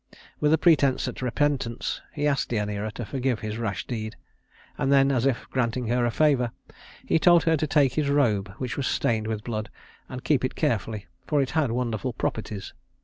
With a pretense at repentance, he asked Deïaneira to forgive his rash deed; and then, as if granting her a favor, he told her to take his robe which was stained with blood, and keep it carefully, for it had wonderful properties.